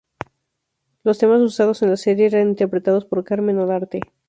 Los temas usados en la serie eran interpretados por Carmen Olarte.